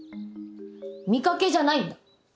見かけじゃないんだ！